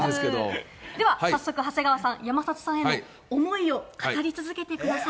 では長谷川さん、山里さんへの思いを語り続けてください。